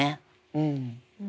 うん。